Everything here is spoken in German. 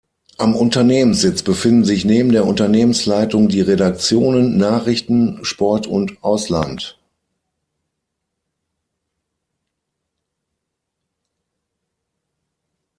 Am Unternehmenssitz befinden sich neben der Unternehmensleitung die Redaktionen Nachrichten, Sport und Ausland.